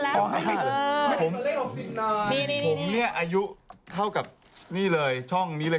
ผมเนี่ยอายุเท่ากับนี่เลยช่องนี้เลย๓๒